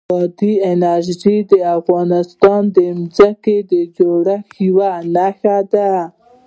بادي انرژي د افغانستان د ځمکې د جوړښت یوه نښه ده.